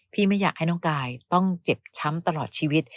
ไม่อยากให้น้องกายต้องเจ็บช้ำตลอดชีวิต